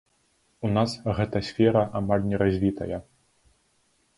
У нас гэта сфера амаль не развітая.